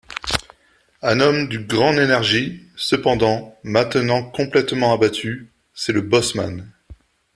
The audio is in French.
Un homme d’une grande énergie, cependant, maintenant complètement abattu, c’est le bosseman.